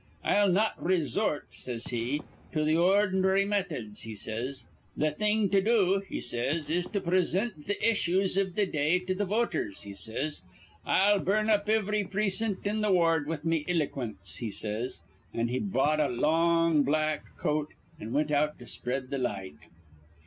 'I'll not re sort,' says he, 'to th' ordin'ry methods,' he says. 'Th' thing to do,' he says, 'is to prisint th' issues iv th' day to th' voters,' he says. 'I'll burn up ivry precin't in th' ward with me iloquince,' he says. An' he bought a long black coat, an' wint out to spread th' light.